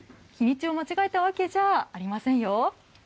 日にちを間違えたわけじゃありませんよ。